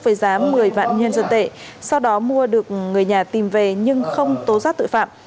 với giá một mươi vạn nhân dân tệ sau đó mua được người nhà tìm về nhưng không tố giác tội phạm